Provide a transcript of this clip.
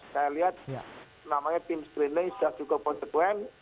saya lihat namanya tim screening sudah cukup konsekuen